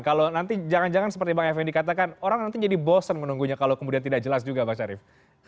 kalau nanti jangan jangan seperti bang effendi katakan orang nanti jadi bosen menunggunya kalau kemudian tidak jelas juga bang syarif